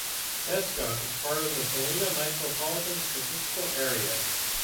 Tescott is part of the Salina Micropolitan Statistical Area.